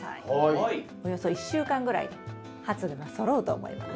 およそ１週間ぐらいで発芽がそろうと思います。